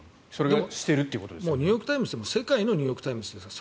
もうニューヨーク・タイムズも世界のニューヨーク・タイムズですから。